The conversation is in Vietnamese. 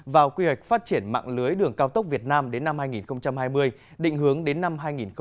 vào quy hoạch phát triển mạng lưới đường cao tốc việt nam đến năm hai nghìn hai mươi định hướng đến năm hai nghìn ba mươi